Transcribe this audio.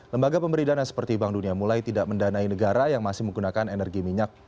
lembaga pemberi dana seperti bank dunia mulai tidak mendanai negara yang masih menggunakan energi minyak